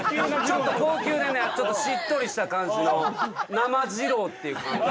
ちょっと高級なねちょっとしっとりした感じの生じろうっていう感じ。